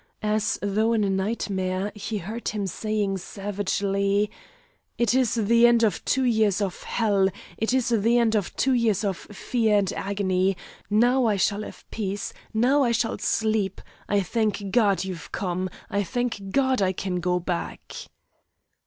As though in a nightmare, he heard him saying savagely: "It is the end of two years of hell, it is the end of two years of fear and agony! Now I shall have peace. Now I shall sleep! I thank God you've come! I thank God I can go back!"